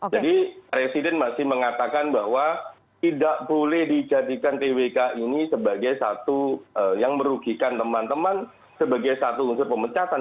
jadi presiden masih mengatakan bahwa tidak boleh dijadikan twk ini sebagai satu yang merugikan teman teman sebagai satu unsur pemecatan